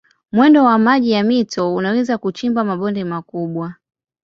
Mwendo wa maji ya mito unaweza kuchimba mabonde makubwa.